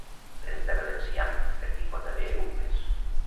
Renta bé l'enciam perquè hi pot haver erugues